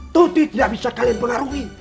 tudi tidak bisa kalian pengaruhi